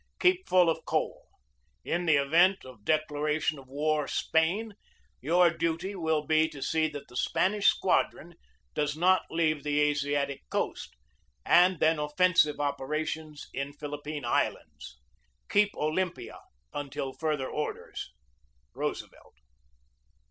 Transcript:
Keep full of coal. In the event of declaration of war Spain, your duty will be to see that the Spanish Squadron does not leave the Asiatic coast, and then offensive operations in Phil ippine Islands. Keep Olympia until further orders. "ROOSEVELT."